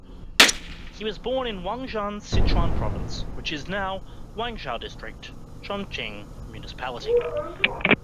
He was born in Wanxian, Sichuan Province, which is now Wanzhou District, Chongqing Municipality.